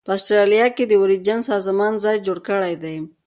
په اسټرالیا کې د اوریجن سازمان ځای جوړ کړی دی.